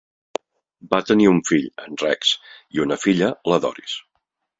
Va tenir un fill, en Rex, i una filla, la Doris.